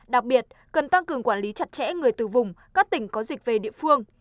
đặc biệt cần tăng cường quản lý chặt chẽ người từ vùng các tỉnh có dịch về địa phương